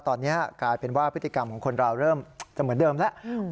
ตอนนี้กลายเป็นว่าพฤติกรรมของคนเราเริ่มจะเหมือนเดิมแล้ว